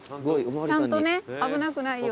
ちゃんと危なくないように。